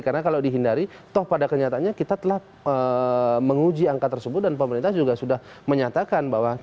karena kalau dihindari toh pada kenyataannya kita telah menguji angka tersebut dan pemerintah juga sudah menyatakan bahwa kita